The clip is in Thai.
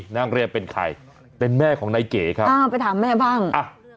นักเรียนเป็นใครเป็นแม่ของนายเก๋ครับอ้าวไปถามแม่บ้างอ่ะ